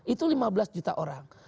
itu lima belas juta orang